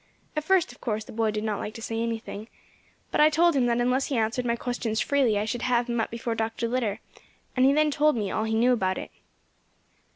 At first, of course, the boy did not like to say anything; but I told him that unless he answered my questions freely I should have him up before Doctor Litter, and he then told me all he knew about it.